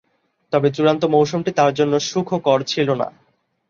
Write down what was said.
তবে, চূড়ান্ত মৌসুমটি তার জন্যে সুখকর ছিল না।